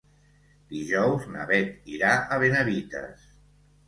Dijous na Bet irà a Benavites.